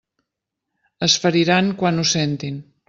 Es feriran quan ho sentin.